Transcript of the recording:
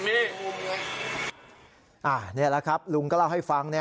นี่แหละครับลุงก็เล่าให้ฟัง